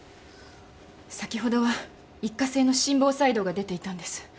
先ほどは一過性の心房細動が出ていたんです。